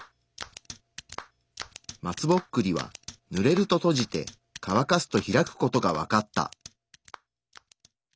松ぼっくりはぬれると閉じてかわかすと開く事が分かった。